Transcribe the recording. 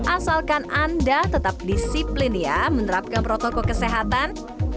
asalkan anda tetap disiplin ya menerapkan protokol kesehatan